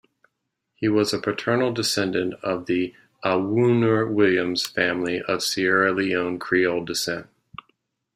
He was a paternal descendant of the Awoonor-Williams family of Sierra Leone Creole descent.